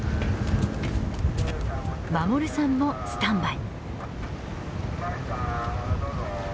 守さんもスタンバイ。